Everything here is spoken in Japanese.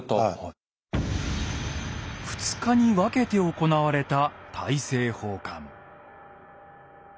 ２日に分けて行われた大政奉還。